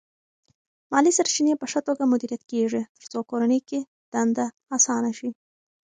مالی سرچینې په ښه توګه مدیریت کېږي ترڅو کورنۍ کې دنده اسانه شي.